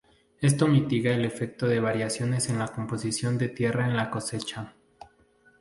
Esto mitiga el efecto de variaciones en la composición de tierra en la cosecha.